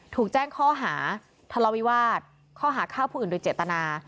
ถูกแจ้งข้อหาทะเลาวิวาสข้อหาข้าวผู้อื่นโดยเจตนา